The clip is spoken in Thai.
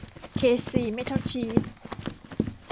เค ซี เมททอลชีท